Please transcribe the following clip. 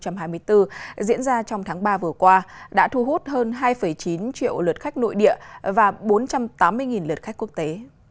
lễ hội áo giải tp hcm lần thứ một mươi năm hai nghìn hai mươi bốn diễn ra trong tháng ba vừa qua đã thu hút hơn hai chín triệu lượt khách nội địa và bốn trăm tám mươi lượt khách quốc tế